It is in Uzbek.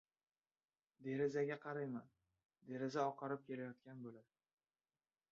Derazaga qarayman. Deraza oqarib kelayotgan bo‘ladi.